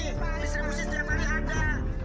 keluang kami nih pak